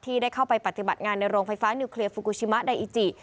ได้เข้าไปปฏิบัติงานในโรงไฟฟ้านิวเคลียร์ฟูกูชิมะไดอิจิ